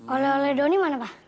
oleh oleh doni mana pak